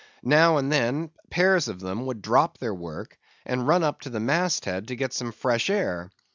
Now and then pairs of them would drop their work, and run up to the mast head to get some fresh air.